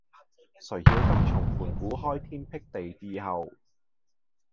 誰曉得從盤古開闢天地以後，